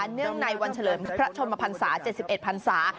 เนื่องในวันเฉลิมพระชนมพันศา๗๑พันศา